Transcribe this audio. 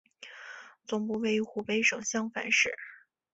总部位于湖北省襄樊市。